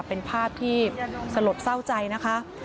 เป็นภาพที่สลดเศร้าใจนะคะ